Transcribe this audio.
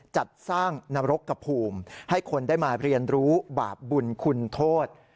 จัดสร้างนรกกระภูมิให้คนได้มาเรียนรู้บาปบุญคุณโทษ